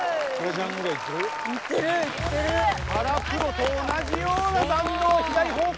原プロと同じような弾道左方向。